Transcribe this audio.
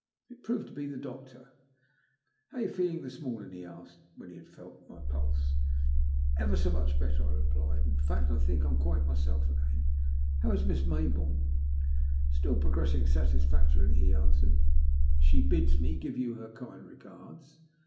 It proved to be the doctor. How are you feeling this morning ?" he asked, when he had felt my pulse. '' £ver 80 much better/' I replied. In facti I 2Cd THE LUST OF HATB. think I'm quite myself again. How is Hiss llaj bourne ?Still progressing satisfactorily/' he answered* She bids me give you her kind regards.